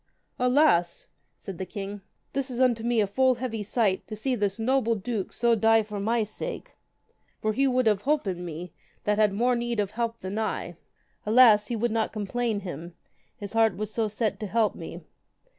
Alas, said the king, this is unto me a full heavy sight to see this noble duke so die for my sake, for he would have holpen me that had more need of help than I. Alas, he would not complain him, his heart was so set to help me.